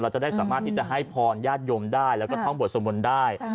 จะได้สามารถที่จะให้พรญาติโยมได้แล้วก็ท่องบทสวมนต์ได้